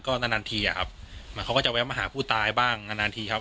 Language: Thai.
ก็นานนานทีอะครับเหมือนเขาก็จะแวะมาหาผู้ตายบ้างนานนานทีครับ